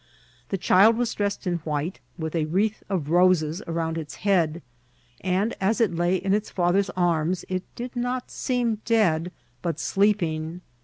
The child was dressed in white, with a wreath of roses around its head ; and as it lay in its father's arms it did not seem dead, but sleeping.